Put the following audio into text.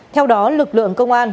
theo đó lực lượng công an